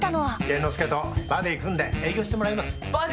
玄之介とバディー組んで営業してもらいます。